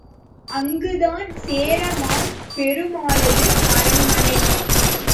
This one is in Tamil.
அங்குதான் சேரமான் பெருமாளது அரண்மனை.